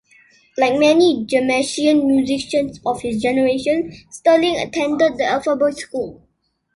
Like many Jamaican musicians of his generation, Sterling attended the Alpha Boys School.